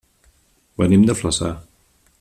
Venim de Flaçà.